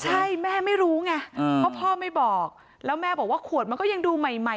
ใช่แม่ไม่รู้ไงเพราะพ่อไม่บอกแล้วแม่บอกว่าขวดมันก็ยังดูใหม่ใหม่